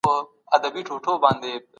خپلسري درمل کارول روغتیا ته زیان رسوي.